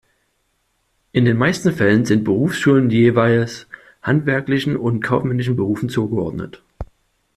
In den meisten Fällen sind Berufsschulen jeweils handwerklichen oder kaufmännischen Berufen zugeordnet.